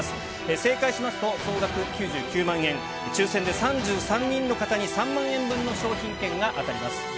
正解しますと、総額９９万円、抽せんで３３人の方に、３万円分の商品券が当たります。